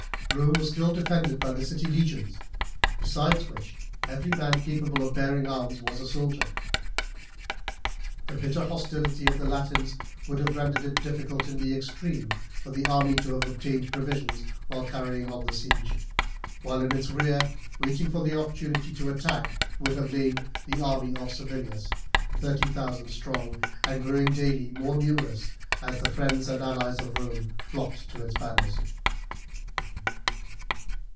Rome was still defended by the city legions, besides which every man capable of bearing arms was a soldier. The bitter hostility of the Latins would have rendered it difficult in the extreme for the army to have obtained provisions while carrying on the siege, while in its rear, waiting for an opportunity to attack, would have lain the army of Servilius, thirty thousand strong, and growing daily more numerous as the friends and allies of Rome flocked to its banners.